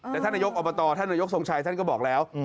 แต่ท่านนายกอบตท่านนายกทรงชัยท่านก็บอกแล้ว